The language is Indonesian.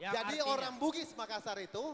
jadi orang bugis makassar itu